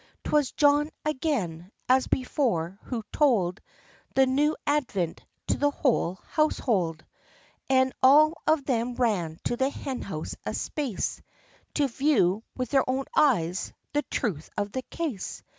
'Twas John again, as before, who told The new advent to the whole household ; And all of them ran to the hen house apace, To view, with their own eyes, the truth of the case.